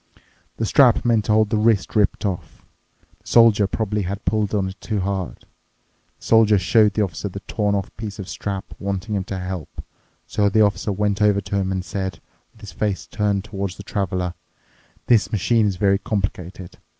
The strap meant to hold the wrist ripped off. The Soldier probably had pulled on it too hard. The Soldier showed the Officer the torn off piece of strap, wanting him to help. So the Officer went over to him and said, with his face turned towards the Traveler, "The machine is very complicated.